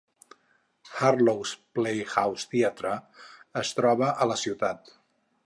Harlow's Playhouse Theatre es troba a la ciutat.